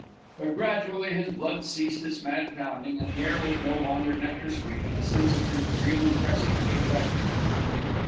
But gradually his blood ceased its mad pounding, and the air was no longer nectar sweet, and a sense of things real and pressing came back to him.